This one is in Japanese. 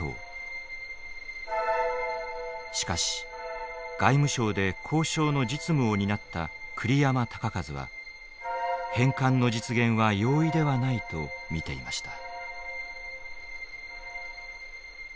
しかし外務省で交渉の実務を担った栗山尚一は返還の実現は容易ではないと見ていました。